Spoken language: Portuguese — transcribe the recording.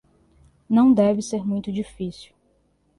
Não deve ser muito difícil